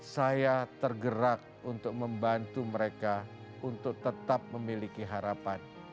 saya tergerak untuk membantu mereka untuk tetap memiliki harapan